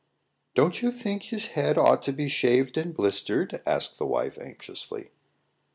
"Don't you think his head ought to be shaved and blistered?" asked the wife, anxiously.